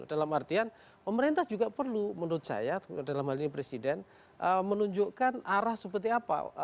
dalam artian pemerintah juga perlu menurut saya dalam hal ini presiden menunjukkan arah seperti apa